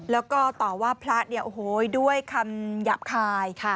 และก็ต่อว่าพระดีโอโห้ด้วยคำหยับคาย